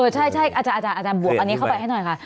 ใช่อาจารย์บวกอันนี้เข้าไปให้หน่อยค่ะ